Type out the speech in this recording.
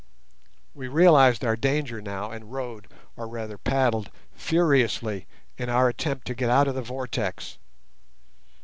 We realised our danger now and rowed, or rather paddled, furiously in our attempt to get out of the vortex.